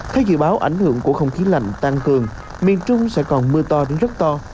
theo dự báo ảnh hưởng của không khí lạnh tăng cường miền trung sẽ còn mưa to đến rất to